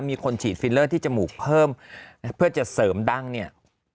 มีคนฉีดฟิลเลอร์ที่จมูกเพิ่มเพื่อจะเสริมดั้งเนี่ย